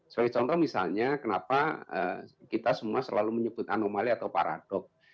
sebagai contoh misalnya kenapa kita semua selalu menyebut anomali atau paradok